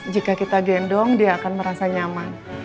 jika kita gendong dia akan merasa nyaman